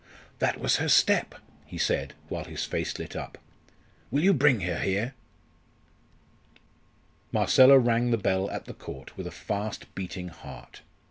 "That was her step!" he said, while his face lit up, "will you bring her here?" Marcella rang the bell at the Court with a fast beating heart.